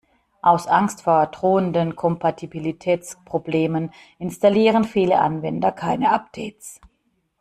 Aus Angst vor drohenden Kompatibilitätsproblemen installieren viele Anwender keine Updates.